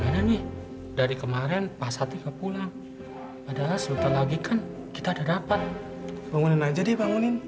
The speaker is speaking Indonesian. terima kasih banyak banyak